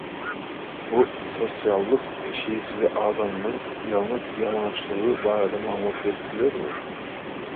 Bu sosiallyk eşigi size adamynyň ýalňyz ýalaňaçlygy barada maglumat berip bilermi?